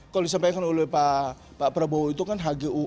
kalau disampaikan oleh pak prabowo itu kan hgu